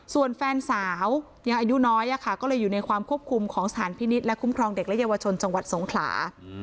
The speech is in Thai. ส่วนแฟนสาวยังอายุน้อยก็เลยอยู่ในความควบคุมของสถานพินิษฐ์และคุ้มครองเด็กและเยาวชนจังหวัดสงขลา